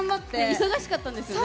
忙しかったんですよね。